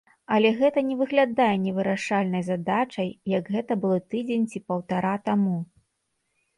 Але гэта не выглядае невырашальнай задачай, як гэта было тыдзень ці паўтара таму.